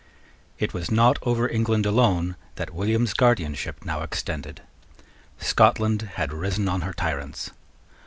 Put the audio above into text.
It was not over England alone that William's guardianship now extended. Scotland had risen on her tyrants.